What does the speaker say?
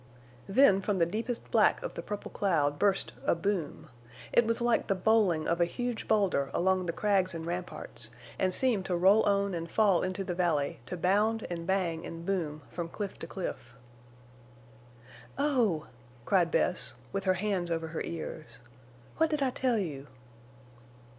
Then from the deepest black of the purple cloud burst a boom. It was like the bowling of a huge boulder along the crags and ramparts, and seemed to roll on and fall into the valley to bound and bang and boom from cliff to cliff. "Oh!" cried Bess, with her hands over her ears. "What did I tell you?"